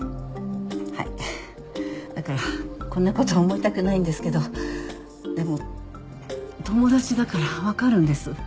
はいだからこんなこと思いたくないんですけどでも友達だから分かるんです。